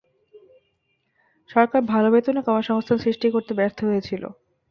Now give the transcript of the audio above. সরকার ভালো বেতনের কর্মসংস্থান সৃষ্টি করতে ব্যার্থ হয়েছিলো।